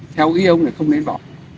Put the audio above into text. theo ý ông là không nên bỏ